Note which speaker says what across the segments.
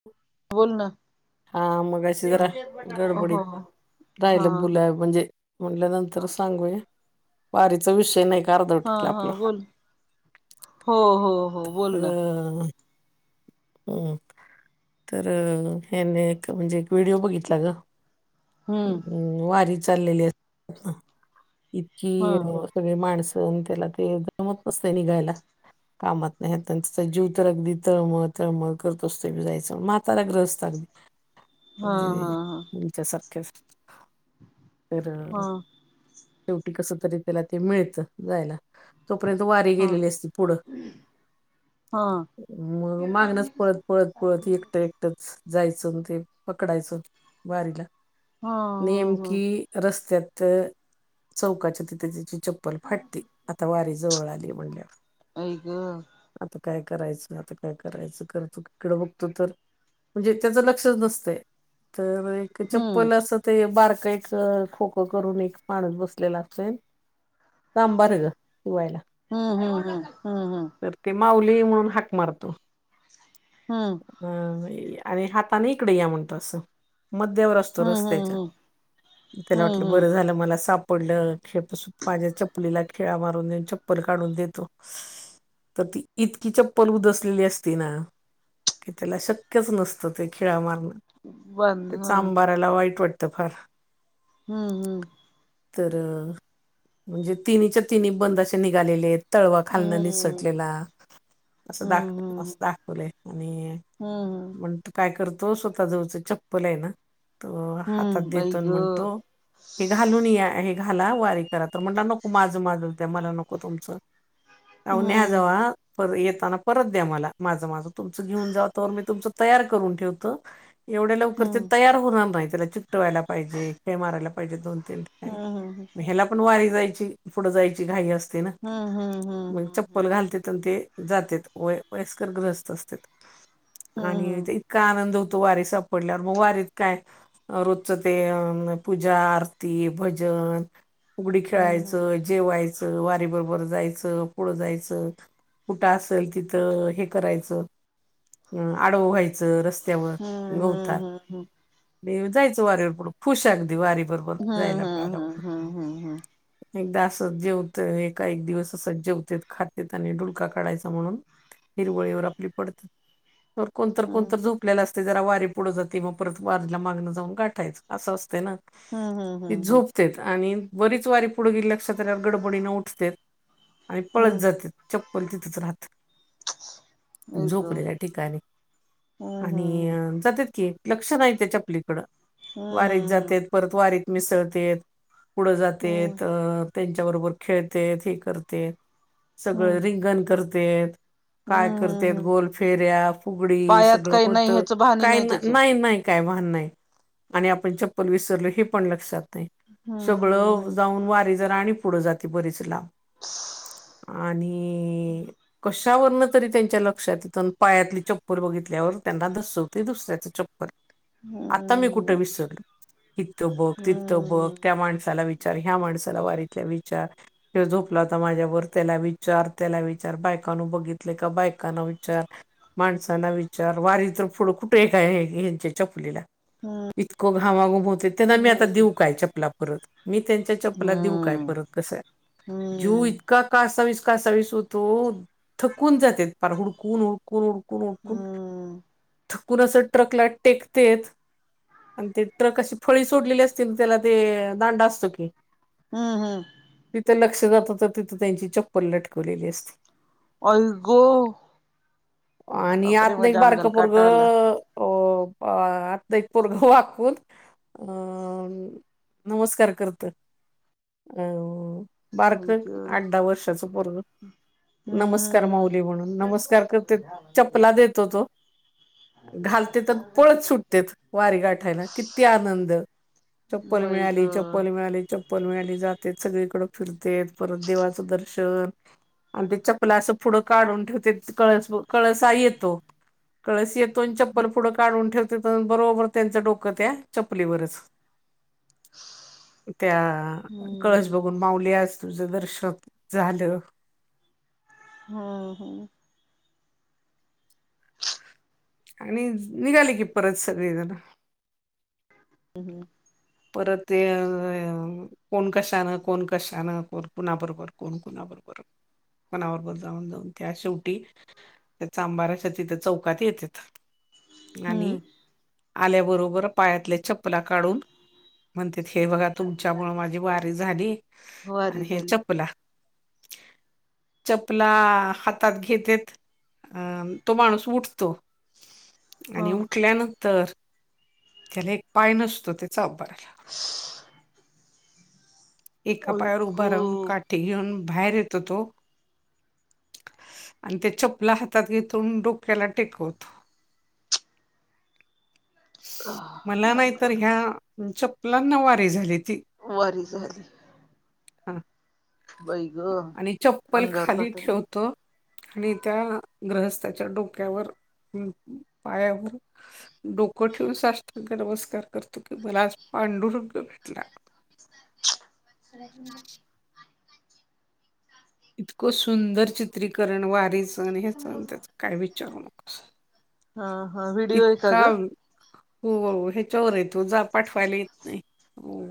Speaker 1: [inaudible]
Speaker 2: बोल ना.
Speaker 1: हा मग अशी जरा
Speaker 2: हो
Speaker 1: गडबडीत
Speaker 2: हो हा
Speaker 1: राहिलं बुला म्हणजे म्हटल्यानंतर सांगूय वारीचा विषय नाही का अर्धवट
Speaker 2: हा
Speaker 1: राहिला
Speaker 2: हा
Speaker 1: आपला
Speaker 2: बोल हो हो हो. बोल ना
Speaker 1: तर, हम्म तर ह्यानी एक म्हणजे एक व्हिडिओ बघितला ग
Speaker 2: हम्म.
Speaker 1: वारी चाललेली असत
Speaker 2: हा
Speaker 1: इतकी सगळे माणसं आणि त्याला ते जमत नसते निघायला. कामात नाही तिचा जीव तर अगदी तळमळ तळमळ करत असतोयी जायचंण म्हातार ग्रहस्थ अगदी
Speaker 2: हा
Speaker 1: अगदी
Speaker 2: हा
Speaker 1: तुमच्यासारख्या तर,
Speaker 2: हा
Speaker 1: शेवटी कस तरी त्याला ते मिळत जायला.? तोपर्यंत वारीे
Speaker 2: हा
Speaker 1: गेलेली असती पुढं,
Speaker 2: हा हा
Speaker 1: मग मागण्याच पळत पळत पळत एकटा एक जायचं ते पकडायचं वारीला
Speaker 2: हा हा
Speaker 1: नेमकी रस्त्यात. चौकाच्या तिथे तिची चप्पल फाटते आता वारी जवळ आली म्हणल्यावर.
Speaker 2: आई ग
Speaker 1: आता काय आता काय करायचं करतो बघतो तर, म्हणजे त्याचं लक्षच नसत तर,
Speaker 2: हम्म
Speaker 1: चप्पल असं ते बारका एक खोकं करून एक माणुस बसलेला असतोय चांभार ग शिवायला
Speaker 2: हम् हम हम हम.
Speaker 1: तर ते माऊली म्हणून हाक मारतो.
Speaker 2: हम्म.
Speaker 1: ह आणि हाताने इकडे या म्हणत असं मध्यावर अस
Speaker 2: हम्म
Speaker 1: रस्त्याच्या
Speaker 2: हम्म
Speaker 1: त्याला
Speaker 2: हम्म हम्म हम्म
Speaker 1: वाटला
Speaker 2: हम्म हम्म
Speaker 1: बर झालं मला साप पडलं खेळ माझ्या चप्पलीला खीळा मारून देऊन चप्पल काढून देतो? तर ती इतकी चप्पल उदसलेली असती ना? की त्याला शक्यच नसतं ते खिळा मारणं
Speaker 2: बंद
Speaker 1: त्या
Speaker 2: हा
Speaker 1: चाबाराला वाईट वाटतं फार
Speaker 2: हम्म हम्म.
Speaker 1: तर म्हणजे तिन्हीच्या तिन्ही बंद अशे निघालेले? तळवा खालणं
Speaker 2: हम्म
Speaker 1: निसटलेला असं
Speaker 2: हम्म हम्म
Speaker 1: दाखलय
Speaker 2: हम्म
Speaker 1: मस्त दाखवलय? आणि
Speaker 2: हम्म हम्म हम्म
Speaker 1: मग तो काय करतो स्वतः जवळचं चप्पल आहे ना तो हातात
Speaker 2: हम्म आई
Speaker 1: देतो आणि
Speaker 2: ग
Speaker 1: म्हणतो हे घालून या घाला वारी करा तर म्हटला नको माझं माझं द्या मला नको तुमचं. आओ न्या
Speaker 2: हम्म
Speaker 1: जावा पर येताना परत द्या मला माझं माझं. तुमचं घेऊन जाव तवर मी तुमच तयार करून ठेवतो एवढ्या लवकर ते
Speaker 2: हम्म
Speaker 1: तयार होणार नाही त्याला त्या टवायला पाहिजे खिळे मारयला पाहिजे दोन तीन ठिकाणी
Speaker 2: हम्म
Speaker 1: मी ह्याला पण वारी जायची पुढ जायची घाई असते ना
Speaker 2: हम्म हम्म
Speaker 1: मग चप्प
Speaker 2: हम्म हम्म
Speaker 1: चप्पल घालत्यात ते जात्यात. व वयस्कर ग्रस्त असत्यात, आणि
Speaker 2: हम्म
Speaker 1: ते इतका आनंद होतो वारी सापडल्यावर. मग वारीत काय? रोजचं ते पूजा, आरती, भजन फुगडी
Speaker 2: हम्म
Speaker 1: खेळायचं, जेवायचं, वारी बरोबर जायचं, पुढं जायचं. कुठं असेल तिथं हे करायचं ह आडव व्हायचं रस्त्यावर,
Speaker 2: हम्म
Speaker 1: गवतात.
Speaker 2: हम्म
Speaker 1: [inaudible] आणि जायचं वारीवर पुढं, खुश अगदी वारी बरोबर
Speaker 2: हा
Speaker 1: जायला
Speaker 2: हा
Speaker 1: मिळालं
Speaker 2: हा हा हा हा.
Speaker 1: एकदा असं जेवतय एका एक दिवस असं जेवत खातेत, आणि डूलका काढायचा म्हणून हिरवळीवर आपली पडतं. कोणतर,
Speaker 2: हम्म
Speaker 1: कोणतर झोपल्यालं असत ते जरा वारी पुढं जाते, मग परत वारीला मागणं जाऊन गाठायचं. असं असतय ना.
Speaker 2: हम्म हम
Speaker 1: ती
Speaker 2: हम् हम.
Speaker 1: झोपतेत आणि बरीच वारी पुढं गेली, लक्षात अआल्यावर गडबडीनं उठत्यात आणि पळत
Speaker 2: हम्म
Speaker 1: जात्यात. चप्पल तिथंच राहत
Speaker 2: हम्म हम्म हम्म हम्म आई गं
Speaker 1: झोपलेल्या ठिकाणी.
Speaker 2: हम्म हम्म
Speaker 1: आणि जातात की लक्ष नाही त्याच्या चपलीकडं. वारीत जातेत, परत वारीत मिसळतेत. पुढं
Speaker 2: हम्म हम्म हम्म
Speaker 1: जातेत. अ त्यांच्याबरोबर खेळते हे करते. सगळं
Speaker 2: हम्म
Speaker 1: रिंगण करते. काय करते?
Speaker 2: हम्म
Speaker 1: गोल फेऱ्या, फुगडी,
Speaker 2: पायात
Speaker 1: सगळं
Speaker 2: काही
Speaker 1: होत.
Speaker 2: नाही ह्याच भान
Speaker 1: काही नाही,
Speaker 2: त्याच्या
Speaker 1: नाही नाही. का भान नाही. आणि आपण चप्पल विसरलं हे लक्षात नाही. सगळं
Speaker 2: हम्म
Speaker 1: जाऊन वारी जरा आणि पुढे जात बरीच लांब. [inaudible] आणि कशावरन तरी त्यांच्या ल क्षात येत. पायातली चप्पर बघितल्यावर, त्यांना धस होतय दुसऱ्याचं चप्पल. आता मी कुठे
Speaker 2: हम्म
Speaker 1: विसरलो. हित बघ, तित बघ
Speaker 2: हम्म
Speaker 1: त्या माणसाला विचार, ह्या माणसाला वारीतल्या विचार. ह्यो झोपला होता माझ्या बरोबर, त्याला विचार, त्याला विचा, र बायकान बघितले का? बायक लोकांना विचार, माणसांना विचार. वारी तर पुुढं कुठे आहे का ह्यांच्या चपलीला? इतकं घामाघूम होत, त्यांना मी आता
Speaker 2: हम्म
Speaker 1: देऊ काय चपला परत? मी त्यांच्या
Speaker 2: हम्म हम्म
Speaker 1: चप्पला देऊ काय
Speaker 2: हम्म
Speaker 1: परत कसं?
Speaker 2: हम्म हम्म
Speaker 1: जीव
Speaker 2: हम्म
Speaker 1: इतका कासावीस कासावीस होतो, थकून जात्यात. फार हुडकून, हुडकून, हुडकून, हुडकून थकून असं ट्रकला टेकते अन ते ट्रक अशी फळी सोडलेली असतीन, त्याला ते दांड असतो की.
Speaker 2: हम् हम्.
Speaker 1: तिथं लक्ष जात तर, तिथं त्यांची चप्पल लटकवलेली असते.
Speaker 2: अल्गो
Speaker 1: [inaudible] आणि आत एक बार
Speaker 2: अंगाला काटा आला
Speaker 1: अ आता एक पोरग वाकून अ नमस्कार करतं. अं बारक,
Speaker 2: आई गं
Speaker 1: आठ दहा वर्षाच पोरग
Speaker 2: हम्म हम्म
Speaker 1: नमस्कार
Speaker 2: हम्म
Speaker 1: माऊली म्हणून नमस्कार करते. चपला देतो तो. घालते तर पळत सुटतात. वारी गाठायला किती आनंद? चप्पल
Speaker 2: बाई
Speaker 1: मिळाली,
Speaker 2: गं
Speaker 1: चप्पल मिळाली. चप्पल मिळाली, जाते सगळीकड फिरते, परत देवाचं दर्शन आणि ते चपला असं पुढं काढून ठेवते, कळस कळसा येतो. कळस येतो. चप्पल पुढं काढून ठेवतेत, अन बरोबर त्यांचं डोकं त्या चपलीवरच. त्या
Speaker 2: हम्म.
Speaker 1: कळस बघून माऊली आज तुझं दर्शन झालं.
Speaker 2: हम्म.
Speaker 1: आणि निघाले की परत सगळे जण.
Speaker 2: हम्म.
Speaker 1: परत ते अ कोण कशानं, कोण कशान, कोण कुणाबरोबर, कोण कुणाबरोबर. कुणाबरोबर जाऊन जाऊन त्या शेवटी चांबाराच्या तिथ चौकात येतेत. आणि
Speaker 2: हम्म
Speaker 1: आल्याबरोबर पायातले चप्पला काढून म्हणतेत हे बघा तुमच्यामुळ माझी वारी झाली
Speaker 2: वारी
Speaker 1: आणि हे
Speaker 2: झाली.
Speaker 1: चपला. चपला हातात घेतेत अ तो माणूस उठतो
Speaker 2: हा.
Speaker 1: आणि उठल्यानंतर त्याला एक पाय नसतो त्या चांभार एका
Speaker 2: आई
Speaker 1: पायावर उभा राहून
Speaker 2: खूप
Speaker 1: काठी घेऊन बाहेर येतो तो आणि त्या चपला हातात घेतो न डोक्याला टेकवतो. [inaudible] मला
Speaker 2: माय
Speaker 1: नाही तर
Speaker 2: गॉड.
Speaker 1: ह्या चप्पलांना वारी झाली ती.
Speaker 2: वारी झाली.
Speaker 1: हा.
Speaker 2: बाई ग.
Speaker 1: आणि चप्पल खाली ठेव तो आणि त्या ग्रहस्थाच्या डोक्यावर, पायावर डोकं ठेवून साष्टांग नमस्कार करतो की मला आज पांडुरंग भेटला.
Speaker 2: चलत नाही.
Speaker 1: इतकं सुंदर चित्रीकरण वारी चण हे चण त्याच काय विचारू नकोस.
Speaker 2: हा हा. व्हिडिओ आहे का
Speaker 1: इतका
Speaker 2: ग?
Speaker 1: हो ह्याच्यावरय तो जा पाठवायला येत नाही हो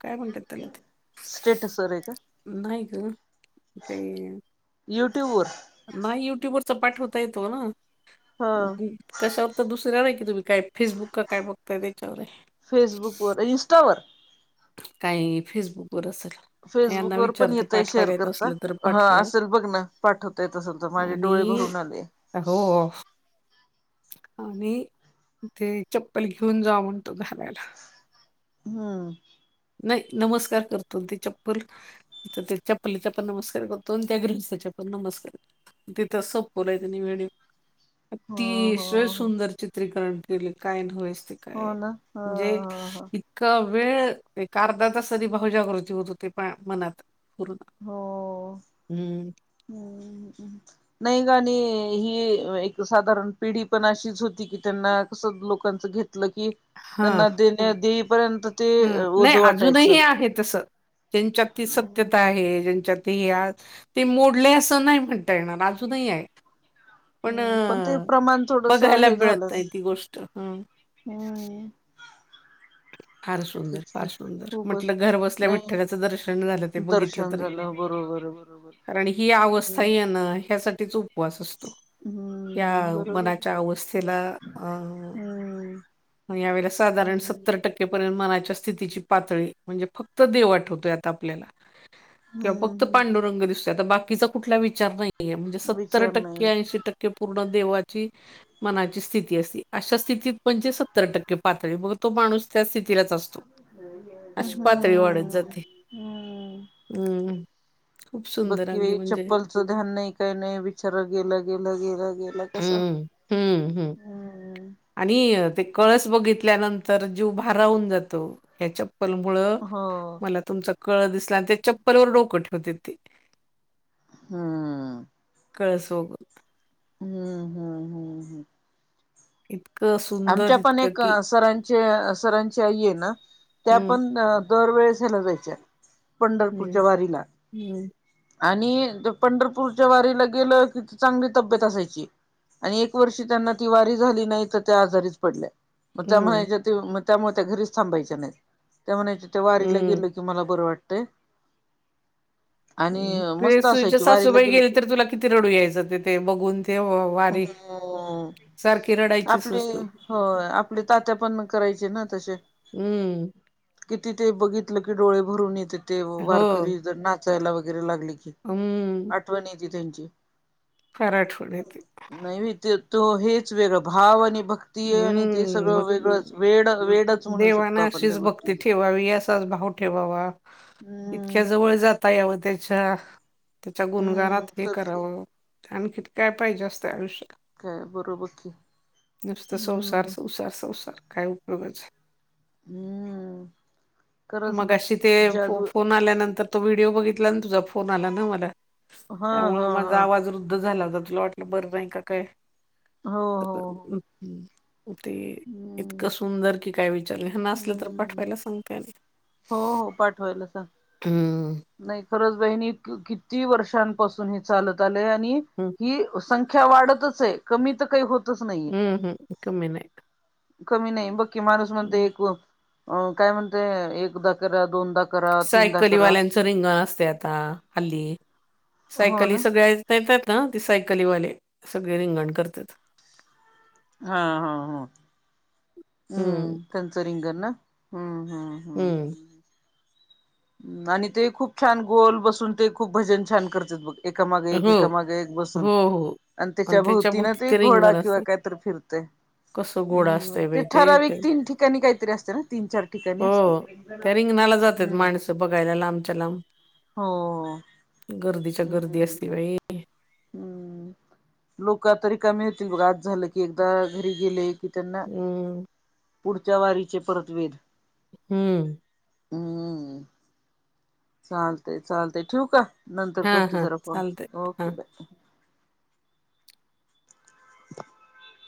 Speaker 1: काय म्हणत्यात?
Speaker 2: स्टेटस वरय का?
Speaker 1: नाही ग ते
Speaker 2: युट्यूब वर.
Speaker 1: नाही युट्युबरच पाठवता येतो ना.
Speaker 2: हा.
Speaker 1: कशावर तर दुसऱ्यावर की हाय तुम्ही काय फेसबुक का काय बघताय त्याच्यावरय.
Speaker 2: फेसबुक वर इन्स्टावर.
Speaker 1: काहीही फेसबुक वर असल?
Speaker 2: फेसबुक वर पण येतय शेअर करता.
Speaker 1: तर
Speaker 2: हा
Speaker 1: पाठवल
Speaker 2: असेल बघ ना पाठवता येत असल तर माझे डोळे
Speaker 1: आणि
Speaker 2: भरून आले.
Speaker 1: हो. आणी ते चप्पल घेऊन जावा म्हणतो घालायला.
Speaker 2: हम्म.
Speaker 1: नाही नमस्कार करतो ती चप्पल तर त्या चपलीचा पण नमस्कार करतो न त्या ग्रहस्थाच्या पण नमस्कार करतो. तिथंच सपवलाय ते नी वि
Speaker 2: हो
Speaker 1: अतिशय
Speaker 2: हो हो
Speaker 1: सुंदर चित्रीकरण केले काय नयस ते- काय
Speaker 2: हो ना हा
Speaker 1: म्हणजे
Speaker 2: हा हा
Speaker 1: इतका वेळ- ते अर्धा तास भाहुजागृती होत होते पाय मनात पूर्ण-
Speaker 2: हो.
Speaker 1: हम्म....
Speaker 2: हम्म म्... नाही आणी ही एक साधारण पिढी पण अशीच होती की त्यांना कसं लोकांचं घेत- म्हटलं की त्यांना देईपर्यंत- ते
Speaker 1: हम्म नाही
Speaker 2: ओझं वाटायचं.
Speaker 1: अजूनही आहे तस- ज्यांच्या ती सत्यता
Speaker 2: हम्म
Speaker 1: आहे ह्यांच्यात हे- ते मोडले असं नाही म्हणता येणार अजूनही आहे. पण
Speaker 2: ते प्रमाण थोडस
Speaker 1: बघायला
Speaker 2: हे झालं
Speaker 1: मिळत नाही ती गोष्ट हं-
Speaker 2: हम्म....
Speaker 1: फार सुंदर,
Speaker 2: तेच की
Speaker 1: फार सुंदर
Speaker 2: खूपच
Speaker 1: म्हटलं घर बसल्या
Speaker 2: नाही
Speaker 1: विठ्ठलाचं दर्शन झालं ते बघितलं
Speaker 2: दर्शन
Speaker 1: तरी-
Speaker 2: झालं बरोबर बरोबर
Speaker 1: कारण ही अवस्था
Speaker 2: हम्म
Speaker 1: आहे ना ह्यासाठीच उपवास असतो. या
Speaker 2: हम्म बरोबर
Speaker 1: मनाच्या अवस्थेला अं-
Speaker 2: हम्म
Speaker 1: मग यावेळेला साधारण
Speaker 2: हम्म हम्म
Speaker 1: सत्तर टक्के- पर्यंत मनाच्या स्थितीची पातळी म्हणजे फक्त देव आठवतोय आता आपल्याला- किंवा फक्त
Speaker 2: हम्म
Speaker 1: पांडुरंग दिसतोय आता बाकीचा कुठला विचार नाही- म्हणजे सत्तर
Speaker 2: विचार
Speaker 1: टक्के,
Speaker 2: नाही
Speaker 1: ऐंशी टक्के- पूर्ण देवाची मनाची स्थिती असती अशा स्थितीत म्हणजे- सत्तर टक्के पातळी मग तो माणूस त्या स्थितीलाच असतो अशी
Speaker 2: हम्म
Speaker 1: पातळी वाढत जाते- हम्म खूप
Speaker 2: बघ
Speaker 1: सुंदर
Speaker 2: की
Speaker 1: अगदी
Speaker 2: बाई
Speaker 1: म्हणजे-
Speaker 2: चप्पलचं ध्यान नाही काही नाही विचारत गेलं गेलं गेलं- गेलं कसं
Speaker 1: हम्म हम्म
Speaker 2: हम्म-
Speaker 1: आणि अं ते कळस बघितल्यानंतर जीव भाराहून जातो ह्याच्यात- चप्पल मुळ
Speaker 2: हम्म
Speaker 1: मला तुमचा कळस दिसला आणि त्या चप्पलवर डोकं ठेवते ते-
Speaker 2: हम्म....
Speaker 1: कळस बघुन-
Speaker 2: हम्म हम्म हम्म हम्म.....
Speaker 1: ह [unintelligible]
Speaker 2: आमच्या पण एक सर- सरांनची आई ये ना त्या
Speaker 1: हम्म
Speaker 2: पण दररोज ह्याला जायच्या-
Speaker 1: हम्म
Speaker 2: पंढरपूरच्या वारीला-
Speaker 1: हम्म
Speaker 2: आणि पंढरपूरच्या वारीला गेलं कि चांगली तब्येत असायची. आणि एक वर्षी त्यांना ती वारी झाली नाही तर- त्या आजारीच पडल्या मग त्या
Speaker 1: हम्म
Speaker 2: म्हणायच्या ते त्यामुळे त्या घरीच थांबायच्या नाहीत त्या म्हणायच्या- त्या वारीला
Speaker 1: हं,
Speaker 2: गेल की मला बरं वाटत-
Speaker 1: ते सुईच्या सासूबाई गेल्या
Speaker 2: की
Speaker 1: तर तुला किती रडू यायचं तेथ ते बघून वारी
Speaker 2: हो...
Speaker 1: सारखी रडायची.
Speaker 2: आपले हो आपले तात्या पण म करायचे ना तसे.
Speaker 1: हं.
Speaker 2: किति ते बघितलं की डोळे भरून येते ते वारकरी जर नाचायला वगैरे लागले कि.
Speaker 1: हम्म
Speaker 2: आठवन येते त्यांची
Speaker 1: आठवण येते.
Speaker 2: नाही तो हेच वेगं भावनिक. ती आणि ते
Speaker 1: हं.
Speaker 2: सगळं
Speaker 1: मग
Speaker 2: वेगळंच. वेड वेडच म्हणू
Speaker 1: देवानं
Speaker 2: शकतो आपण त्या
Speaker 1: अशीच भक्ती
Speaker 2: गोष्टीच.
Speaker 1: ठेवावी, असाच भाव ठेवावा. इतक्या
Speaker 2: हम्म
Speaker 1: जवळ जाता याव त्याच्या. त्याच्या
Speaker 2: हम्म
Speaker 1: गुणगानात हे
Speaker 2: करते
Speaker 1: करावं. आणखीन काय पाहिजे असतं आयुष्यात?
Speaker 2: काय बरोबबकी.
Speaker 1: नुसतं संसार संसार संसार काय उपयोगाच?
Speaker 2: हम्म खरंच ना
Speaker 1: मगाशी ते फो
Speaker 2: जादू
Speaker 1: फोन आल्यानंतर- तो व्हिडिओ बघितला ना तुझा? फोन आला ना मला
Speaker 2: हा
Speaker 1: त्यामुळे
Speaker 2: हा
Speaker 1: माझा
Speaker 2: हा
Speaker 1: आवाज रुध्द झाला होता. तुला वाट - -ल. बरं नाही का काय?
Speaker 2: हो हो
Speaker 1: ते इतकं सुंदर कि काय विचारलं. ह्यांना असलं तर पाठवायला सांगते आणी.
Speaker 2: हो. हो पाठवायला सांग.
Speaker 1: हम्म,
Speaker 2: नाही खरंच बहिणी किती वर्षां- पासून चालत आलंय. आणि
Speaker 1: हम्म,
Speaker 2: ही संख्या वाढतच आहे. कमी तर काही होत -
Speaker 1: अं हं कमी नाही.
Speaker 2: कमी नाही. बघकी माणूस म्हणते
Speaker 1: हम्म.
Speaker 2: एक, काय म्हणते एकदा करा. दोनदा करा. तीनदा
Speaker 1: सायकली
Speaker 2: करा
Speaker 1: वाल्यांच रिंगण असतय आता हल्ली.
Speaker 2: हो ना
Speaker 1: सायकली सगळ्या- येतात ना? ती सायकलीवाले सगळे रिंगण करतात.
Speaker 2: हां. हां. हां. हम्म. त्यांचं रिंगण ना? हम्म. हम्म. हम्म. अं आणि ते खूप छान गोल बसून ते खूप भजन छान करत्यात बघ. एका मागे एक
Speaker 1: हो
Speaker 2: एकामागे एक बसून.
Speaker 1: हो हो
Speaker 2: आणि त्याच्या भोवती ना ते घोडा किंवा कायतरी फिरतय.
Speaker 1: कसं गोड
Speaker 2: हम्म.
Speaker 1: असतंय
Speaker 2: ते
Speaker 1: बाई ते
Speaker 2: ठराविक तीन ठिकाणी काहीतरी असतय ना? तीन चार ठिकाणी अस-
Speaker 1: हो. त्या रिंगणाला जात्यात माणस- त बघायला लांबच्या लांब.
Speaker 2: हो
Speaker 1: गर्दीच्या गर्दी
Speaker 2: हम्म
Speaker 1: असते बाई.
Speaker 2: हम्म. लोक तरी कमी होतील बघ. आज झालं की एकदा घरी गेले कि- त्यांना
Speaker 1: हम्म.
Speaker 2: पुढच्या वारीचे परत वेध.
Speaker 1: हम्म.
Speaker 2: अं. चालतय चालतय. ठेऊ का? नंतर
Speaker 1: हां,
Speaker 2: करते
Speaker 1: हां.
Speaker 2: जरा फोन.
Speaker 1: चालतंय. हां.
Speaker 2: Okay bye. [inaudible]